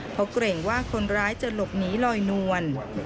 เพราะเกรงว่าคนร้ายจะหลบหนีลอยนวล